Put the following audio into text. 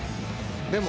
でも。